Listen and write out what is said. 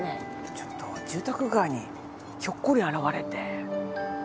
ちょっと住宅街にひょっこり現れて。